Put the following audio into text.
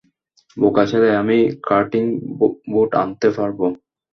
বোকা ছেলে, আমিই কাটিং বোর্ড আনতে পারব।